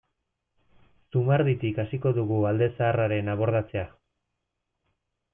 Zumarditik hasiko dugu alde zaharraren abordatzea.